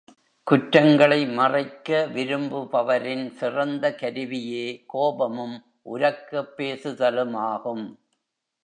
குற்றங்களை மறைக்க விரும்புபவரின் சிறந்த கருவியே கோபமும், உரக்கப்பேசுதலுமாகும்.